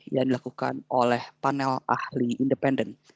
yang dilakukan oleh panel ahli independen